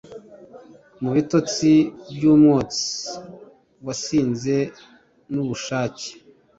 mu bitotsi byumwotsi wasinze nubushake